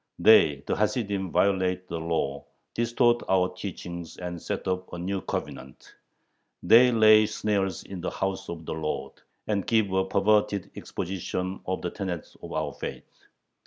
They [the Hasidim] violate the Law, distort our teachings, and set up a new covenant; they lay snares in the house of the Lord, and give a perverted exposition of the tenets of our faith.